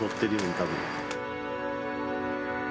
多分。